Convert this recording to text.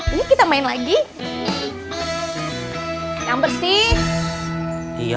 ini kita main lagi yang bersih iya